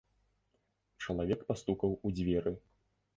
Чалавек пастукаў у дзверы.